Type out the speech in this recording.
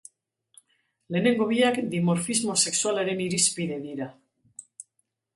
Lehenengo biak dimorfismo sexualaren irizpide dira.